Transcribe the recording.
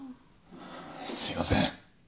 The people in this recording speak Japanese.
すいません。